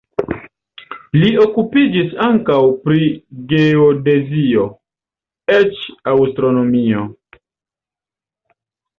Li okupiĝis ankaŭ pri geodezio, eĉ astronomio.